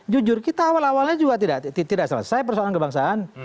jujur kita awal awalnya juga tidak selesai persoalan kebangsaan